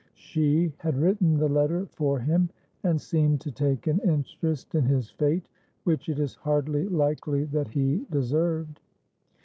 She had written the letter for him, and seemed to take an interest in his fate which it is hardly likely that he deserved.